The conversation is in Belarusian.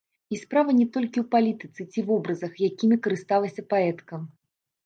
І справа не толькі ў палітыцы ці вобразах, якімі карысталася паэтка.